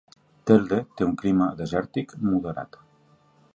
Telde té un clima desèrtic moderat.